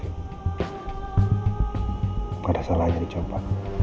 tidak ada salahnya dicoba